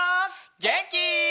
げんき？